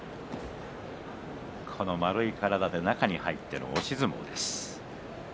この丸い体で中に入っての押し相撲です。